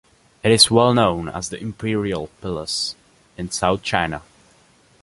It is well known as the Imperial Palace in South China.